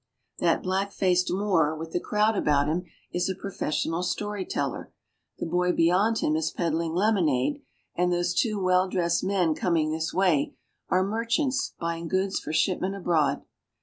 That black faced Moor, with the crowd about him, is a professional story teller, the boy beyond him is peddling lemonade, and those two well dressed men coming this way are merchants buying goods for shipment abroad.